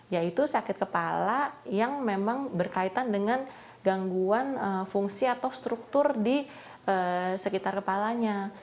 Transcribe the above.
yaitu sakit kepala yang memang berkaitan dengan gangguan fungsi atau struktur di sekitar kepalanya